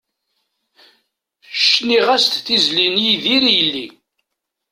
Cniɣ-as-d tizlit n Yidir i yelli.